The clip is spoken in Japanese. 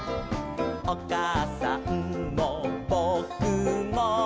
「おかあさんもぼくも」